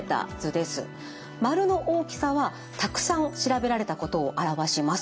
丸の大きさはたくさん調べられたことを表します。